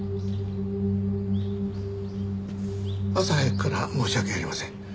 朝早くから申し訳ありません。